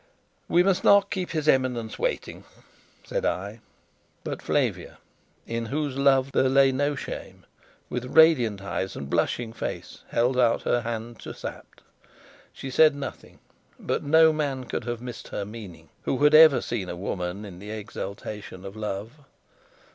"We must not keep his Eminence waiting," said I. But Flavia, in whose love there lay no shame, with radiant eyes and blushing face, held out her hand to Sapt. She said nothing, but no man could have missed her meaning, who had ever seen a woman in the exultation of love.